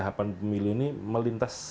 tahapan pemilih ini melintas